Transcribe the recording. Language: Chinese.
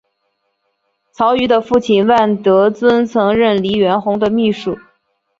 曹禺的父亲万德尊曾任黎元洪的秘书。